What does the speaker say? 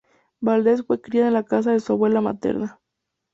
Valdez fue criada en la casa de su abuela materna.